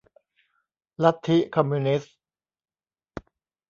ลัทธิคอมมิวนิสต์